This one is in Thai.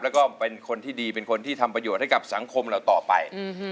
แล้วก็เป็นคนที่ดีเป็นคนที่ทำประโยชน์ให้กับสังคมเราต่อไป